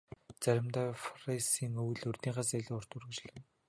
Заримдаа Парисын өвөл урьдынхаас илүү урт үргэлжилнэ.